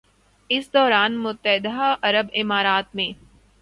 اس دوران متحدہ عرب امارات میں